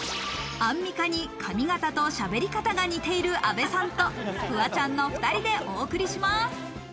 アンミカに髪形としゃべり方が似ている阿部さんとフワちゃんの２人でお送りします。